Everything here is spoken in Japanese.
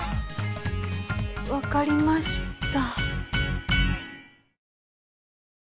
分かりました。